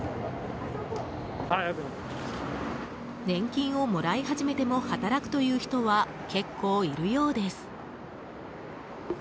年金をもらい始めても働くという人は結構いるようです。